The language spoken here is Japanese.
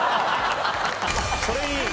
それいい！